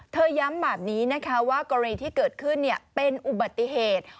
ย้ำแบบนี้นะคะว่ากรณีที่เกิดขึ้นเป็นอุบัติเหตุ